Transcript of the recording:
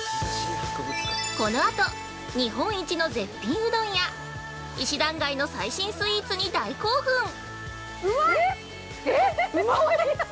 このあと、日本一の絶品うどんや石段街の最新スイーツに大興奮！